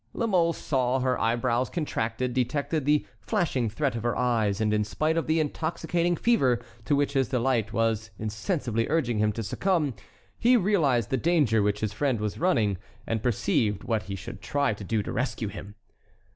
La Mole saw her eyebrows contracted, detected the flashing threat of her eyes, and in spite of the intoxicating fever to which his delight was insensibly urging him to succumb he realized the danger which his friend was running and perceived what he should try to do to rescue him.